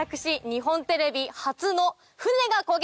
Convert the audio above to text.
日本テレビ初の。